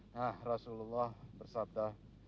nah rasulullah bersabda